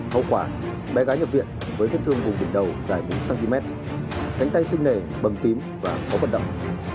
hậu quả bé gái nhập viện với thết thương vùng đỉnh đầu dài một cm cánh tay xinh nề bầm tím và khó vận động